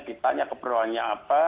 ditanya keperluannya apa